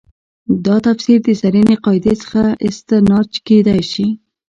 دا تفسیر د زرینې قاعدې څخه استنتاج کېدای شي.